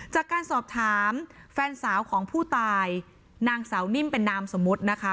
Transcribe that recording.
จากการสอบถามแฟนสาวของผู้ตายนางสาวนิ่มเป็นนามสมมุตินะคะ